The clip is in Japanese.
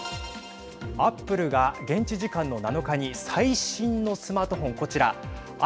アップルが現地時間の７日に最新のスマートフォン、こちら。